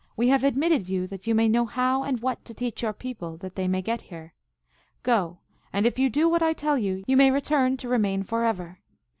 We have admitted you that you may know how and what to teach your people, that they may get here. Go, and if you do what I tell you, you may return to remain forever.